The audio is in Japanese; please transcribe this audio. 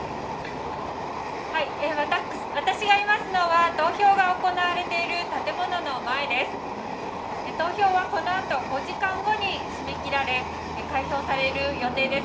私がいますのは投票が行われている建物の前です。